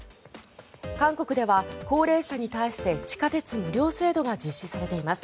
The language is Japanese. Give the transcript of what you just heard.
韓国では、高齢者に対して地下鉄無料制度が実施されています。